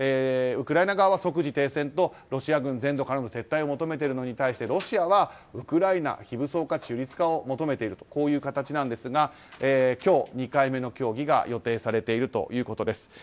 ウクライナ側は即時停戦とロシア軍全土からの撤退を求めているのに対しロシアはウクライナの非武装化・中立化を求めているんですが今日、２回目の協議が予定されているということです。